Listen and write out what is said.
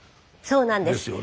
そうなんです。